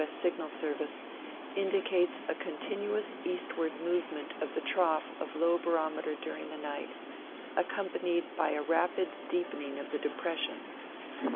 S. Signal Service, indi cates a continuous eastward movement of the trough of low bar ometer during the night, accompanied by a rapid deepening of the depression.